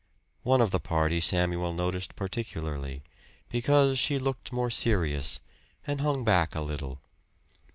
One of the party Samuel noticed particularly, because she looked more serious, and hung back a little.